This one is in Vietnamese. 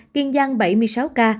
kiên giang bảy mươi sáu ca